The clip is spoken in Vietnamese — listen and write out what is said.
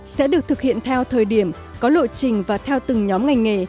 sẽ được thực hiện theo thời điểm có lộ trình và theo từng nhóm ngành nghề